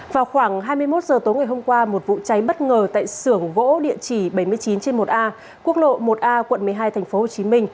vào khoảng hai mươi một h tối ngày hôm qua một vụ cháy bất ngờ tại xưởng gỗ địa chỉ bảy mươi chín trên một a quốc lộ một a quận một mươi hai tp hcm